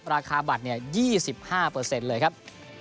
ราคาบัตร๒๕เลยครับ